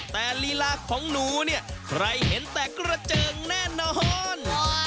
แต่ลีลาของหนูเนี่ยใครเห็นแต่กระเจิงแน่นอน